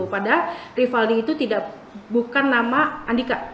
padahal rivaldi itu bukan nama andika